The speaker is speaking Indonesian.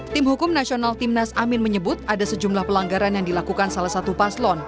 tim hukum nasional timnas amin menyebut ada sejumlah pelanggaran yang dilakukan salah satu paslon